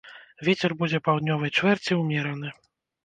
Вецер будзе паўднёвай чвэрці ўмераны.